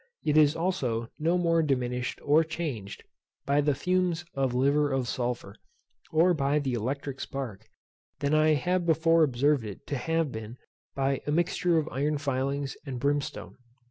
It is also no more diminished or changed by the fumes of liver of sulphur, or by the electric spark, than I have before observed it to have been by a mixture of iron filings and brimstone.